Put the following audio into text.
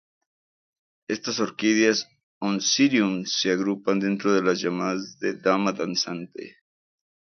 Estas orquídeas Oncidium se agrupan dentro de las llamadas de Dama danzante.